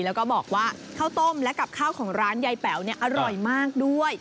แล้วก็บอกว่าข้าวต้มและกับข้าวของร้านยายแป๋วอร่อยมากด้วย